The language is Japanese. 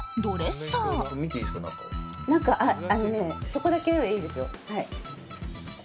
そこだけならいいですよ。